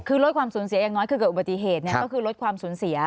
คือลดความสูญเสียอย่างน้อยคือเกิดอุบัติเหตุก็คือลดความสูญเสีย